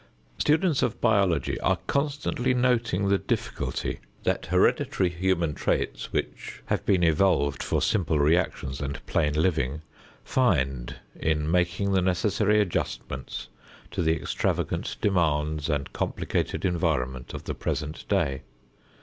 Students of biology are constantly noting the difficulty that hereditary human traits, which have been evolved for simple reactions and plain living, find in making the necessary adjustments to the extravagant demands and complicated environment of the present day.